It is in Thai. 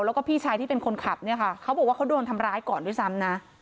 แล้วก็พี่ชายที่เป็นคนขับเนี่ยค่ะเขาบอกว่าเขาโดนทำร้ายก่อนด้วยซ้ำนะ